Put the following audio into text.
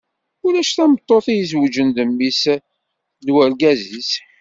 Ulac tameṭṭut i izewǧen d mmi-s n urgaz-is.